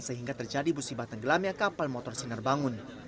sehingga terjadi busi batang gelamnya kapal motor sinar bangun